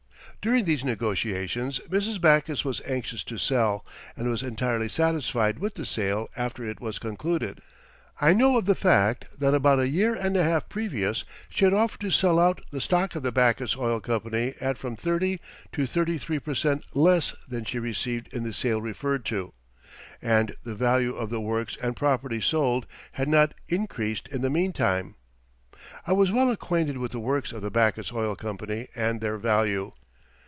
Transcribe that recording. "During these negotiations Mrs. Backus was anxious to sell, and was entirely satisfied with the sale after it was concluded. I know of the fact that about a year and a half previous she had offered to sell out the stock of the Backus Oil Company at from 30 to 33 per cent. less than she received in the sale referred to, and the value of the works and property sold had not increased in the meantime. I was well acquainted with the works of the Backus Oil Company and their value.